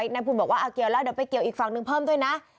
นายภูมิบอกว่าเกี่ยวแล้วเดี๋ยวไปเกี่ยวอีกฝั่งหนึ่งเพิ่มด้วยนะ